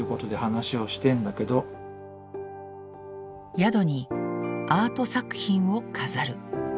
宿にアート作品を飾る。